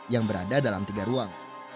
yang berada dalam tersebut